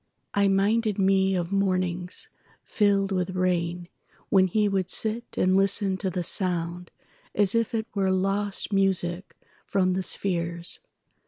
I minded me of mornings filled with rainWhen he would sit and listen to the soundAs if it were lost music from the spheres.